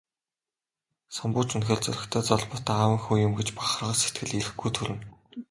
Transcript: Самбуу ч үнэхээр зоригтой, золбоотой аавын хүү юм гэж бахархах сэтгэл эрхгүй төрнө.